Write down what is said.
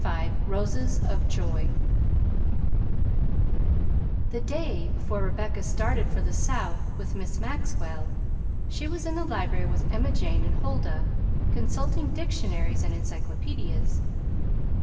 XXV ROSES OF JOY The day before Rebecca started for the South with Miss Maxwell she was in the library with Emma Jane and Huldah, consulting dictionaries and encyclopaedias.